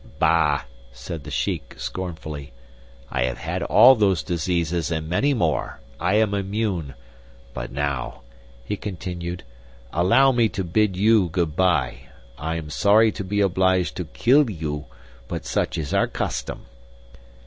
"Bah!" said the Shiek, scornfully; "I have had all those diseases and many more. I am immune. But now," he continued, "allow me to bid you good bye. I am sorry to be obliged to kill you, but such is our custom."